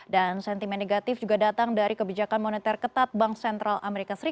dan sentimen negatif juga datang dari kebijakan moneter ketat bank sentral as